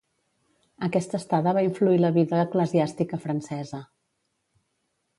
Aquesta estada va influir la vida eclesiàstica francesa.